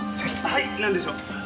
はいなんでしょう？